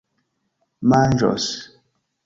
manĝos